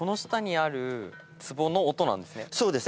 そうです。